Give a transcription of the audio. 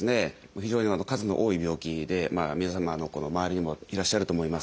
非常に数の多い病気で皆様の周りにもいらっしゃると思います。